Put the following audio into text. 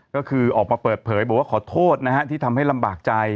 ก็คือออกมาเปิดเผยบอกว่าขอโทษนะฮะที่ทำให้ลำบากใจ